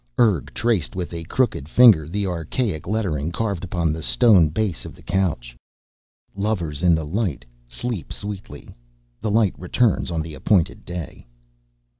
Urg traced with a crooked finger the archaic lettering carved upon the stone base of the couch. "Lovers in the Light sleep sweetly. The Light returns on the appointed day."